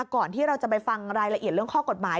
ก่อนที่เราจะไปฟังรายละเอียดเรื่องข้อกฎหมาย